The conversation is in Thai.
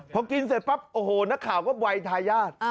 พอกินเสร็จปั๊บโอ้โหนักข่าวก็วัยทายาท